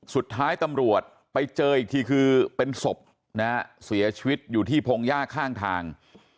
สุดท้ายตำรวจไปเจออีกทีคือเป็นศพนะฮะเสียชีวิตอยู่ที่พงหญ้าข้างทาง